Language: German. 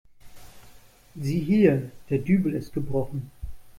Sieh hier, der Dübel ist gebrochen.